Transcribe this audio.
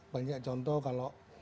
banyak contoh kalau